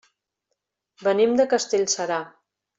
Venim de Castellserà.